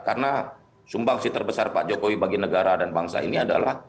karena sumbangsi terbesar pak jokowi bagi negara dan bangsa ini adalah